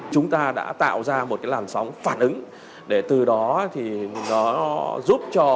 chúng ta đã tạo ra một cái làn sóng phản ứng để từ đó thì nó giúp cho